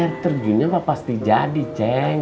r terjunnya pasti jadi ceng